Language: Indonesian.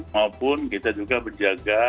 maupun kita juga menjaga